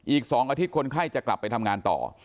อีก๒อาทิตย์คนไข้จะกลับไปทำงานต่อ